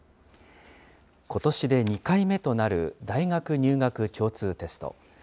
ことしで２回目となる、大学入学共通テスト。